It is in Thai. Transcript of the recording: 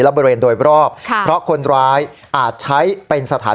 และบริเวณโดยรอบค่ะเพราะคนร้ายอาจใช้เป็นสถาน